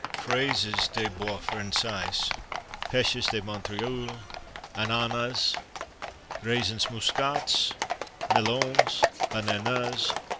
Fraises des bois Françaises. Pêches de Montreuil. Ananas. Raisins Muscats. Melons. Bananas.